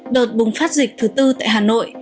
đợt bùng phát dịch thứ bốn tại hà nội